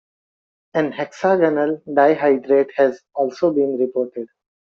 An hexagonal dihydrate has also been reported.